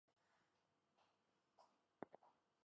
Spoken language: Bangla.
তুমি তাহাকে এই শিক্ষা দিয়াছ!